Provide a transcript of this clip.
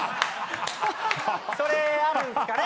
それあるんですかね。